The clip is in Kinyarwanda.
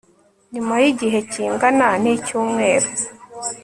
nyuma y'igihe kingana n'icyumweru